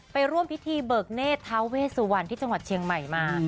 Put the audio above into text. ไปร่วมพิธีเบิกเนธทาเวสุวรรณที่จังหวัดเชียงใหม่มา